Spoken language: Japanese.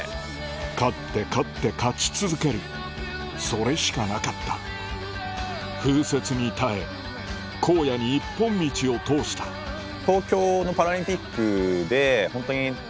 勝って勝って勝ち続けるそれしかなかった風雪に耐え荒野に一本道を通したホントに。